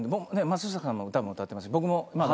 松下さんも歌も歌ってますし僕もまあ。